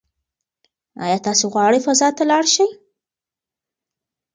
ایا تاسي غواړئ فضا ته لاړ شئ؟